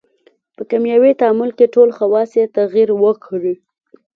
په کیمیاوي تعامل کې ټول خواص یې تغیر وکړي.